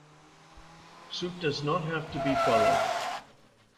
Suit does not have to be followed.